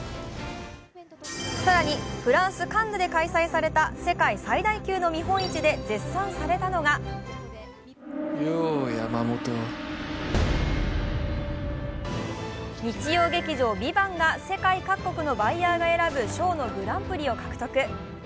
更にフランス・カンヌで開催された世界最大級の見本市で絶賛されたのが日曜劇場「ＶＩＶＡＮＴ」が世界各国のバイヤーが選ぶ賞のグランプリを獲得。